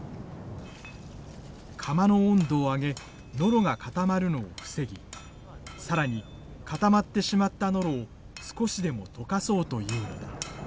釜の温度を上げノロが固まるのを防ぎ更に固まってしまったノロを少しでも溶かそうというのだ。